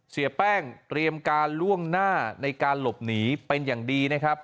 เสียแป้งเตรียมการล่วงหน้าในการหลบหนีเป็นอย่างดีนะครับ